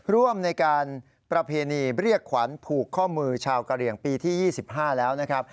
ร่วมในการประเพณีเรียกขวัญผูกข้อมือชาวกะเหลี่ยงปีที่๒๕แล้วนะครับ